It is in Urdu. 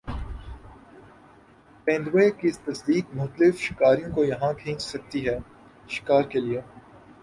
تیندوے کی تصدیق مختلف شکاریوں کو یہاں کھینچ سکتی ہے شکار کے لیے